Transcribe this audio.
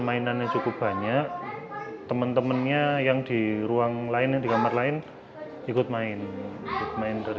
mainannya cukup banyak teman temannya yang di ruang lain di kamar lain ikut main main dari